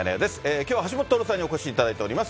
きょうは橋下徹さんにお越しいただいています。